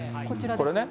これね。